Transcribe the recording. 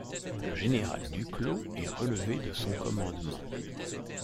Le général Duclaux est relevé de son commandement.